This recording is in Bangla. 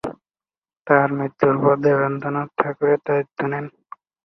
তার মৃত্যুর পর দেবেন্দ্রনাথ ঠাকুর এর দায়িত্ব নেন।